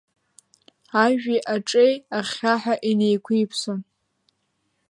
Ажәи аҿеи ахьхьаҳәа инеиқәиԥсон.